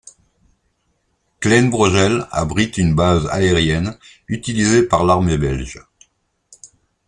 Kleine-Brogel abrite une base aérienne utilisée par l'armée belge.